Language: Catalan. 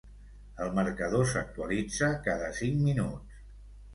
El marcador s'actualitza cada cinc minuts.